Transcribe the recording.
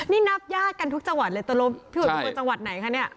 นี่นับญาติกันทุกจังหวัดเลยตรงใช่ทุกจังหวัดไหนคะเนี้ย